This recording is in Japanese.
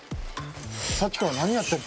さっきから何やってんの？